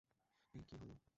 এই, - কি হলো?